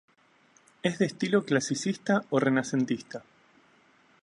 Es de estilo clasicista o renacentista.